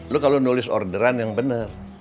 lo kalo nulis orderan yang bener